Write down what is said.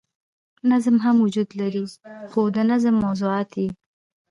نظم هم وجود لري خو د نظم موضوعات ئې